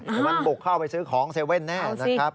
เดี๋ยวมันบุกเข้าไปซื้อของ๗๑๑แน่นะครับ